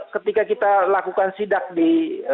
ketika kita lakukan sidak di